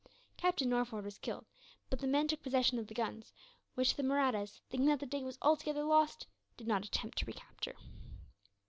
Captain Norford was killed, but the men took possession of the guns; which the Mahrattas, thinking that the day was altogether lost, did not attempt to recapture.